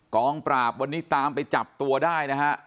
กองปราบวันนี้ตามไปจับตัวได้นะฮะ